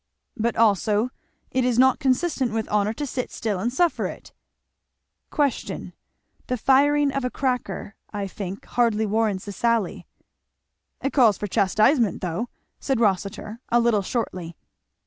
"But also it is not consistent with honour to sit still and suffer it." "Question. The firing of a cracker, I think, hardly warrants a sally." "It calls for chastisement though," said Rossitur a little shortly.